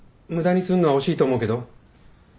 無駄にすんのは惜しいと思うけど？